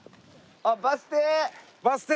あっバス停！